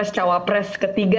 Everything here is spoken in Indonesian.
cawa pres ketiga